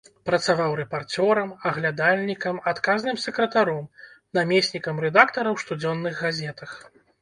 Працаваў рэпарцёрам, аглядальнікам, адказным сакратаром, намеснікам рэдактара ў штодзённых газетах.